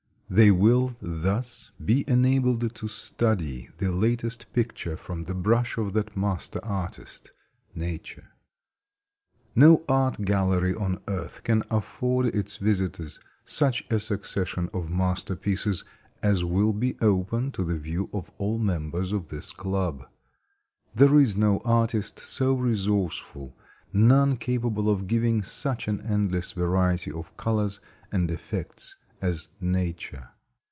They will thus be enabled to study the latest picture from the brush of that master artist, Nature. No art gallery on earth can afford its visitors such a succession of masterpieces as will be open to the view of all members of this club. There is no artist so resourceful, none capable of giving such an endless variety of colors and effects as Nature.